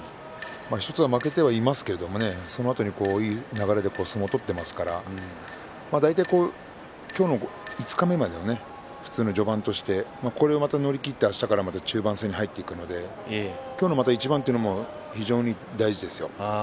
１つは負けてはいますけどそのあと、いい流れで相撲を取っていますから大体、今日の五日目までは普通の序盤としてこれをまた乗り切ってあしたから中盤戦に入っていくので今日の一番というのも非常に大事ですよ。